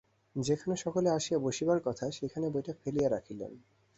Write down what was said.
যেখানে সকলে আসিয়া বসিবার কথা, সেইখানে বইটা ফেলিয়া রাখিলেন।